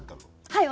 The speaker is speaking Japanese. はい。